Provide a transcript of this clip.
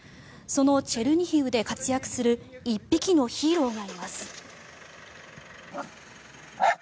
そのチェルニヒウで活躍する１匹のヒーローがいます。